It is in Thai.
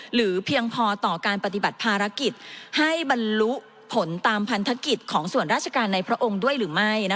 เพียงพอต่อการปฏิบัติภารกิจให้บรรลุผลตามพันธกิจของส่วนราชการในพระองค์ด้วยหรือไม่